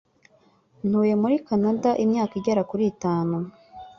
Ntuye muri Kanada imyaka igera kuri itanu.